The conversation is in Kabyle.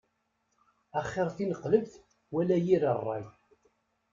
Axir tineqlebt wala yir ṛṛay.